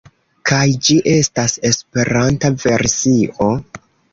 Kaj ĝi estas Esperanta versio.